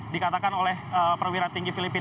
dikatakan oleh perwira tinggi filipina